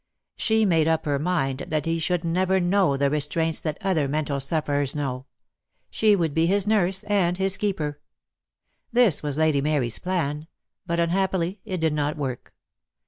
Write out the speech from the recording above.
She made up her mind that he should never know the restraints that other mental sufferers know. She would be his nurse and his keeper. This was Lady Mary's plan, but unhappily it did not work.